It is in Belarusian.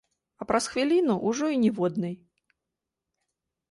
А праз хвіліну ўжо і ніводнай.